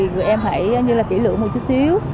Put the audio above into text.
không phải như là kỹ lượng một chút xíu